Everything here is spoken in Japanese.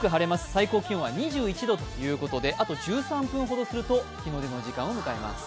最高気温は２１度ということで、あと１３分ほどすると日の出の時間を迎えます。